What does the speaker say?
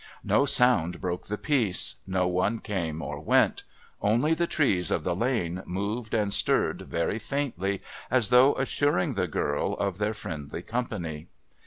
No sound broke the peace; no one came nor went; only the trees of the Lane moved and stirred very faintly as though assuring the girl of their friendly company.